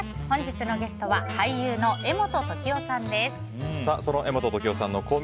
本日のゲストは俳優の柄本時生さんです。